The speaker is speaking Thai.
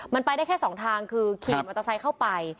มันไปได้แค่สองทางคือขี่มอเตอร์ไซค์เข้าไป